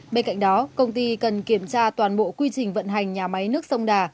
bên cạnh đó công ty cần kiểm tra toàn bộ quy trình vận hành nhà máy nước sông đà